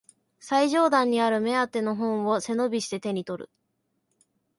最上段にある目当ての本を背伸びして手にとる